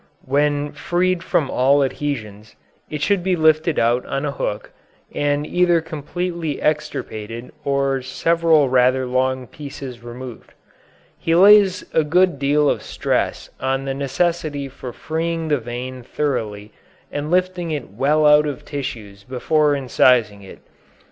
When freed from all adhesions, it should be lifted out on a hook, and either completely extirpated or several rather long pieces removed. He lays a good deal of stress on the necessity for freeing the vein thoroughly and lifting it well out of tissues before incising it.